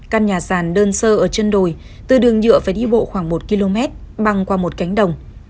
căn nhà sàn đơn sơ ở chân đồi từ đường nhựa phải đi bộ khoảng một km băng qua một cánh đồng